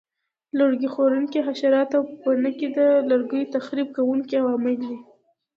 لرګي خوړونکي حشرات او پوپنکي د لرګیو تخریب کوونکي عوامل دي.